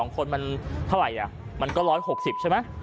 ๒คนมันเท่าไหร่มันก็๑๖๐ใช่ไหม